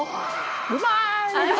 うまーい。